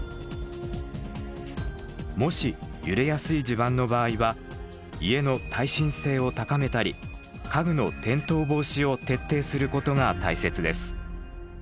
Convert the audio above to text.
もし揺れやすい地盤の場合は家の耐震性を高めたり家具の転倒防止を徹底することが大切です。